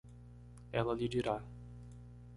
Ela lhe dirá